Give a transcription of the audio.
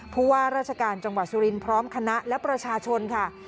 ผู้ว่าราชการจังหวัดสุรินทร์พร้อมคณะและประชาชนค่ะ